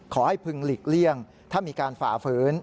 พึงหลีกเลี่ยงถ้ามีการฝ่าฝืน